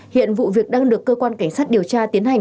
hiện vụ việc đang được cơ quan cảnh sát điều tra tiến hành